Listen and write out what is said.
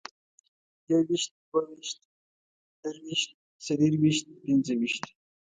يوويشت، دوه ويشت، درویشت، څلرويشت، پنځه ويشت